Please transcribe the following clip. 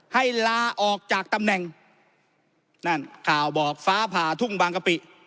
ให้ลาออกจากตำแหน่งนั่นข่าวบอกฟ้าผ่าทุ่งบางกะปิ